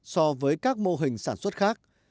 so với các mô hình sản xuất khác